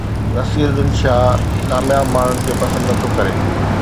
نصيرالدين شاهه ڪامياب ماڻهن کي پسند نٿو ڪري